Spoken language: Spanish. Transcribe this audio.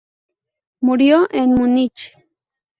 Murió en Munich.